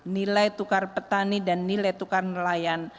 nilai tukar petani dan nilai tukar nelayan